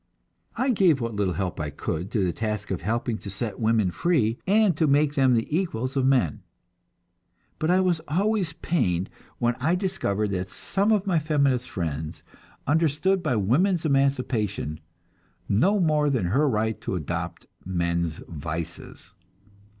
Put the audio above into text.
I gave what little help I could to the task of helping to set women free, and to make them the equals of men; but I was always pained when I discovered that some of my feminist friends understood by woman's emancipation no more than her right to adopt men's vices.